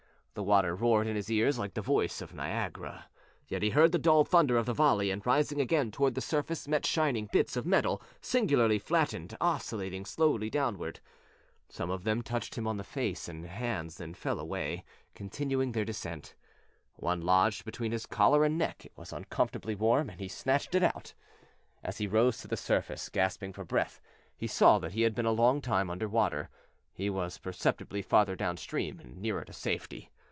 The water roared in his ears like the voice of Niagara, yet he heard the dulled thunder of the volley and, rising again toward the surface, met shining bits of metal, singularly flattened, oscillating slowly downward. Some of them touched him on the face and hands, then fell away, continuing their descent. One lodged between his collar and neck; it was uncomfortably warm and he snatched it out. As he rose to the surface, gasping for breath, he saw that he had been a long time under water; he was perceptibly farther down stream nearer to safety.